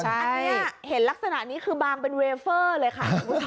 อันนี้เห็นลักษณะนี้คือบางเป็นเวเฟอร์เลยค่ะคุณผู้ชม